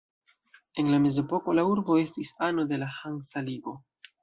En la Mezepoko la urbo estis ano de la Hansa Ligo.